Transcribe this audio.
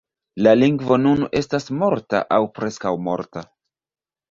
La lingvo nun estas morta aŭ preskaŭ morta.